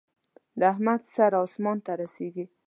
د احمد سر اسمان ته رسېږي.